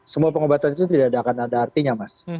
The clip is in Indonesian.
semua pengobatan itu tidak akan ada artinya mas